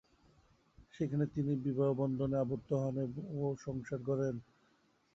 সেখানে তিনি বিবাহবন্ধনে আবদ্ধ হন ও সংসার গড়েন।